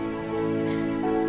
tapi tunggu sebentar